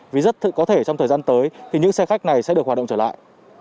vì rất có thể trong thời gian tới thì những xe khách này sẽ được hoạt động trở lại